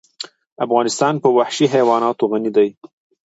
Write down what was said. افغانستان په وحشي حیوانات غني دی.